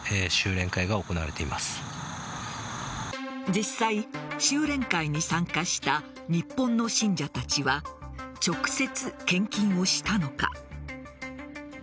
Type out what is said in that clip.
実際、修錬会に参加した日本の信者たちは直接献金をしたのか？